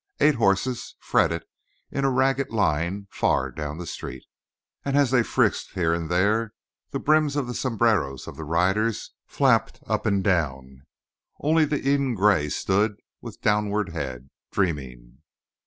Eight horses fretted in a ragged line far down the street, and as they frisked here and there the brims of the sombreros of the riders flapped up and down; only the Eden gray stood with downward head, dreaming.